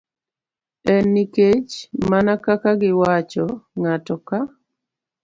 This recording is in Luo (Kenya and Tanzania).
En nikech, mana kaka giwacho, ng'ato ka